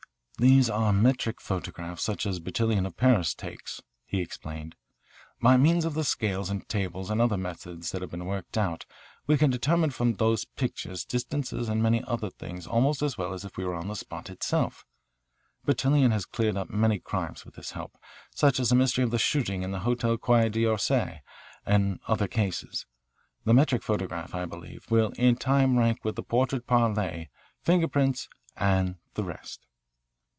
"Those are metric photographs such as Bertillon of Paris takes," he explained. "By means of the scales and tables and other methods that have been worked out we can determine from those pictures distances and many other things almost as well as if we were on the spot itself. Bertillon has cleared up many crimes with this help, such as the mystery of the shooting in the Hotel Quai d'Orsay and other cases. The metric photograph, I believe, will in time rank with the portrait parle, finger prints, and the rest.